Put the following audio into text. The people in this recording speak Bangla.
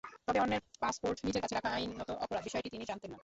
তবে অন্যের পাসপোর্ট নিজের কাছে রাখা আইনত অপরাধ, বিষয়টি তিনি জানতেন না।